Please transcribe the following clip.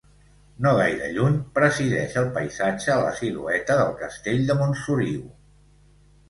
No gaire lluny, presideix el paisatge la silueta del Castell de Montsoriu.